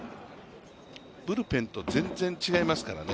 ブルペンと全然違いますからね。